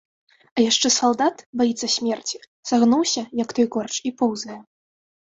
А яшчэ салдат, баіцца смерці, сагнуўся, як той корч, і поўзае.